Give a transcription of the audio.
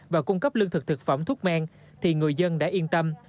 và cung cấp lương thực thực phẩm thuốc men thì người dân đã yên tâm